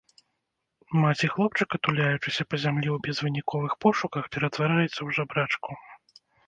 Маці хлопчыка, туляючыся па зямлі ў безвыніковых пошуках, ператвараецца ў жабрачку.